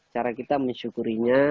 cara kita mensyukurinya